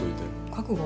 覚悟？